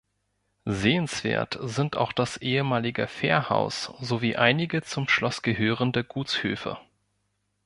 Sehenswert sind auch das ehemalige Fährhaus sowie einige zum Schloss gehörende Gutshöfe.